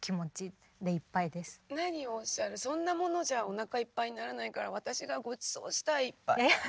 何をおっしゃるそんなものじゃおなかいっぱいにならないから私がごちそうしたいいっぱい。